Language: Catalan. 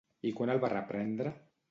I quan el va reprendre?